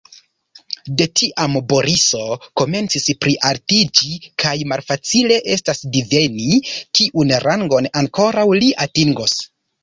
De tiam Boriso komencis plialtiĝi, kaj malfacile estas diveni, kiun rangon ankoraŭ li atingos.